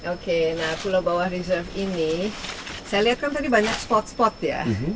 oke nah pulau bawah reserve ini saya lihat kan tadi banyak spot spot ya